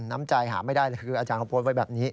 น้ำใจหาไม่ได้เลยคืออาจารย์เขาโพสต์ไว้แบบนี้